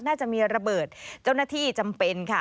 น่าจะมีระเบิดเจ้าหน้าที่จำเป็นค่ะ